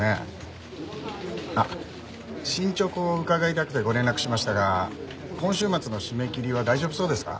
あっ進捗を伺いたくてご連絡しましたが今週末の締め切りは大丈夫そうですか？